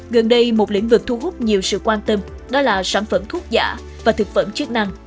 gần đây một lĩnh vực thu hút nhiều sự quan tâm đó là sản phẩm thuốc giả và thực phẩm chức năng